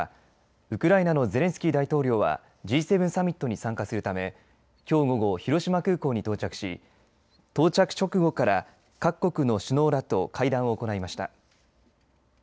ウクライナのゼレンスキー大統領はＧ７サミットに参加するためきょう午後、広島空港に到着し到着直後から各国の首脳らと会談を行いました。